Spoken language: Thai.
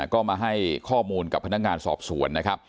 ก็มาให้ข้อมูลกับพนักงานสอบสวนนะครับ